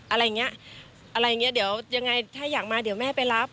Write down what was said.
อะไรอย่างนี้ถ้าอยากมาเดี๋ยวแม่ไปรับ